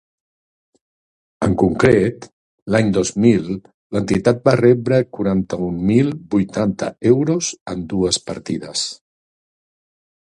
En concret, l’any dos mil l’entitat va rebre quaranta-un mil vuitanta euros en dues partides.